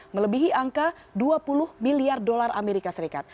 melebihi angka dua puluh miliar dolar amerika serikat